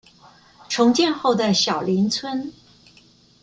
重建後的小林村